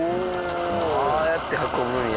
ああやって運ぶんや。